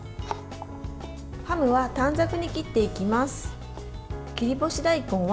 ハムは短冊に切っていきます。